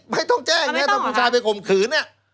ไม่ต้องแจ้งถ้าผู้ชายไปข่มขืน